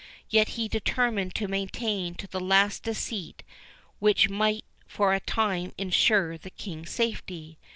Yet he determined to maintain to the last a deceit which might for a time insure the King's safety.